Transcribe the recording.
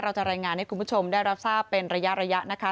รายงานให้คุณผู้ชมได้รับทราบเป็นระยะนะคะ